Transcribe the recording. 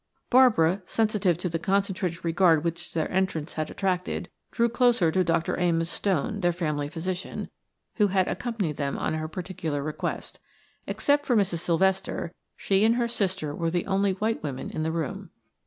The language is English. Barbara, sensitive to the concentrated regard which their entrance had attracted, drew closer to Dr. Amos Stone, their family physician, who had accompanied them at her particular request. Except for Mrs. Sylvester, she and her sister were the only white women in the room.